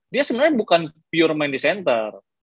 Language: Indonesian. dia sebenarnya bukan pure main di center